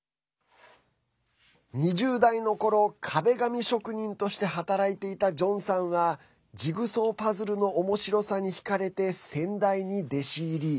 ２０代のころ、壁紙職人として働いていたジョンさんはジグソーパズルのおもしろさにひかれて、先代に弟子入り。